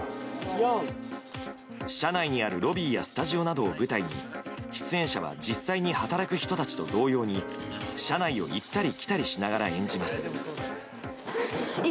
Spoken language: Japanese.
社内にあるロビーやスタジオなどを舞台に出演者は実際に働く人たちと同様に社内を行ったり来たりしながら演じます。